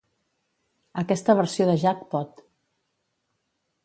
Aquesta versió de Jackpot!.